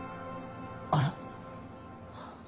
あら。